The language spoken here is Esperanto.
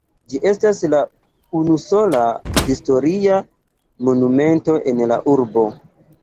Ĝi estas la unusola historia monumento en la urbo.